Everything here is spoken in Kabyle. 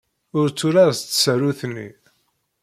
Ur tturar s tsarut-nni.